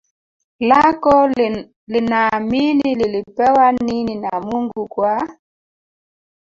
lako linaamini lilipewa nini na Mungu kwa